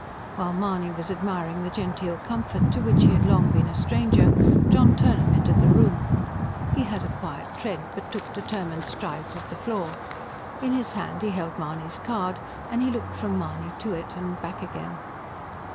While Mahony was admiring the genteel comfort to which he had long been a stranger, John Turnham entered the room. He had a quiet tread, but took determined strides at the floor. In his hand he held Mahony's card, and he looked from Mahony to it and back again.